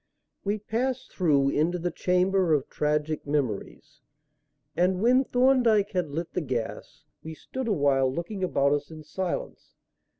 We passed through into the chamber of tragic memories, and, when Thorndyke had lit the gas, we stood awhile looking about us in silence.